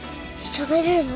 しゃべれるの？